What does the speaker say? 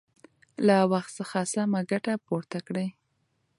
له وخت څخه سمه ګټه پورته کړئ.